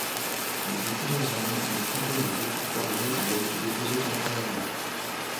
Depuis plusieurs années, une fontaine des époux Poirier y a été déposée temporairement.